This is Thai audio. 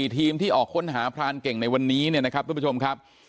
ทีมที่ออกค้นหาพรานเก่งในวันนี้เนี่ยนะครับทุกผู้ชมครับ